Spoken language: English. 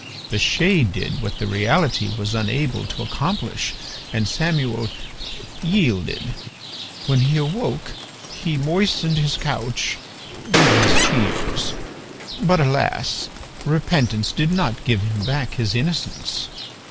The shade did what the reality was unable to accomplish, and Samuel yielded. When he awoke be moistened his couch with his tears, but alas! repentance did not give him back his innocence."